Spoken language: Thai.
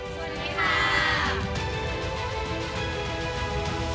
สวัสดีครับ